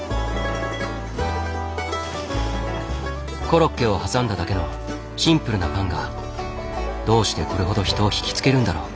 コロッケをはさんだだけのシンプルなパンがどうしてこれほど人を惹きつけるんだろう。